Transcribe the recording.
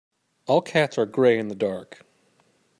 All cats are grey in the dark.